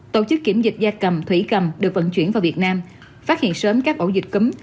tổ chức kiểm dịch gia cầm thủy cầm được vận chuyển vào việt nam phát hiện sớm các ổ dịch cúm